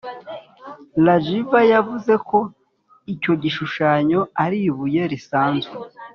Rajiv yavuze ko icyo gishushanyo ari ibuye risanzwe